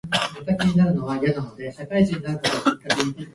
この言語は難しい。